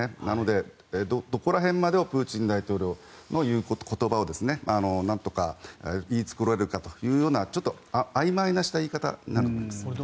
なので、どこら辺までプーチン大統領の言う言葉をなんとか言い繕えるかというちょっとあいまいにした言い方です。